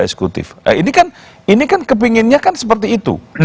eksekutif ini kan kepinginnya kan seperti itu